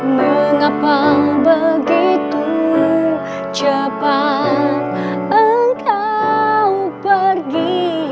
mengapa begitu cepat engkau pergi